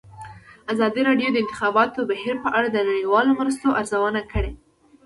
ازادي راډیو د د انتخاباتو بهیر په اړه د نړیوالو مرستو ارزونه کړې.